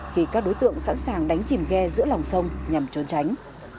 khi các đối tượng sẵn sàng đánh chìm ghe giữa lòng sông nhằm trốn tránh